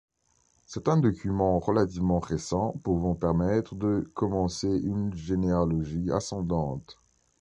C'est un document relativement récent pouvant permettre de commencer une généalogie ascendante.